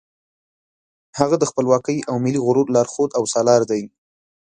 هغه د خپلواکۍ او ملي غرور لارښود او سالار دی.